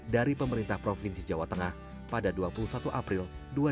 dari pemerintah provinsi jawa tengah pada dua puluh satu april dua ribu dua puluh